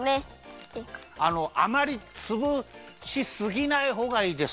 あのあまりつぶしすぎないほうがいいです。